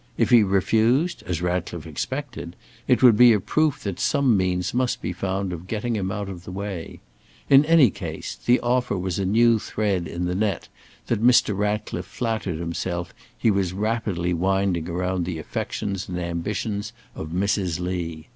If he refused, as Ratcliffe expected, it would be a proof that some means must be found of getting him out of the way. In any case the offer was a new thread in the net that Mr. Ratcliffe flattered himself he was rapidly winding about the affections and ambitions of Mrs. Lee.